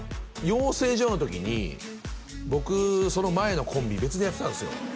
養成所の時に僕その前のコンビ別でやってたんですよ